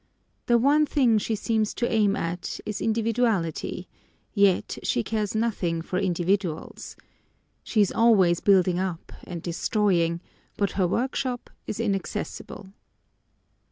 The one thing she seems to aim at is Individuality; yet she cares nothing for individuals. She is always building up and destroying; but her workshop is inaccessible.